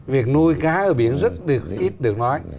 việc nuôi cá ở biển rất ít được nói